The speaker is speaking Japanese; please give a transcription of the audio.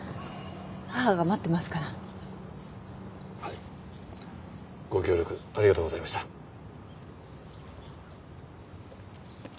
母が待ってますからはいご協力ありがとうございましたあ